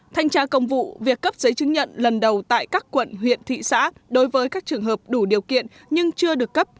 thanh tra công vụ việc cấp giấy chứng nhận lần đầu tại các quận huyện thị xã đối với các trường hợp đủ điều kiện nhưng chưa được cấp